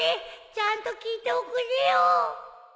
ちゃんと聞いておくれよ。